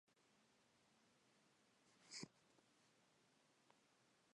Sin embargo, Guillermo de Orange había conseguido poder sobre Holanda y Zelanda.